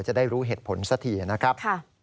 จะได้รู้เหตุผลสักทีนะครับ